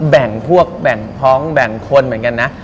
แบ่งพวกแบ่งท้องแบ่งคนเหมือนกันนะ